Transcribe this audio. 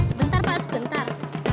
sebentar pak sebentar